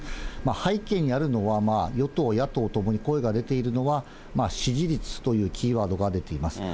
背景にあるのは、与党、野党ともに声が出ているのは、支持率というキーワードが出ています。